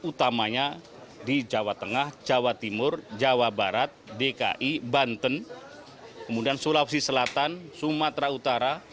utamanya di jawa tengah jawa timur jawa barat dki banten kemudian sulawesi selatan sumatera utara